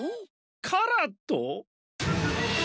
カラット？